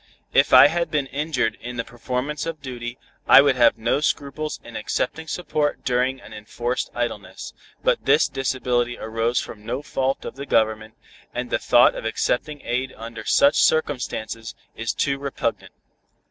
If I had been injured in the performance of duty, I would have no scruples in accepting support during an enforced idleness, but this disability arose from no fault of the Government, and the thought of accepting aid under such circumstances is too repugnant."